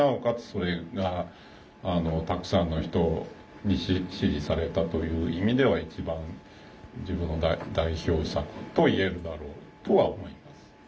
それがたくさんの人に支持されたという意味では一番自分の代表作と言えるだろうとは思います。